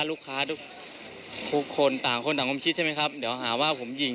ลูกค้าทุกคนต่างคนต่างความคิดใช่ไหมครับเดี๋ยวหาว่าผมยิง